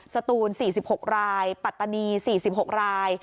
สตูน๔๖รายปัตตานี๔๖ราย